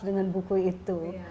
dengan buku itu